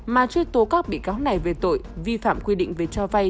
mà truy tố các bị cáo này về tội vi phạm quy định về cho vay